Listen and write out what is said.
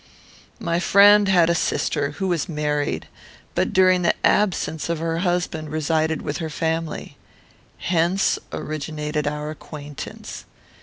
"My friend had a sister, who was married, but during the absence of her husband resided with her family. Hence originated our acquaintance.